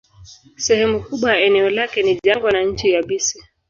Sehemu kubwa ya eneo lake ni jangwa na nchi yabisi.